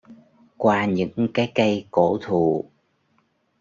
Qua những cái cây cổ thụ